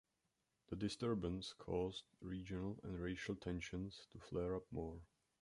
The disturbance caused regional and racial tensions to flare up more.